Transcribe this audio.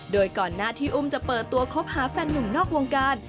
โดยก่อนหน้าที่อุ้มจะเปิดตัวคบหาแฟนหนุ่มนอกวงการ